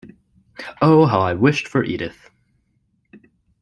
Oh, how I wished for Edith!